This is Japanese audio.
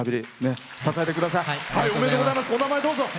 お名前、どうぞ。